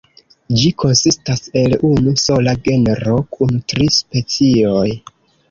Ĝi konsistas el unu sola genro kun tri specioj.